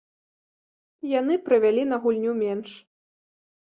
Яны правялі на гульню менш.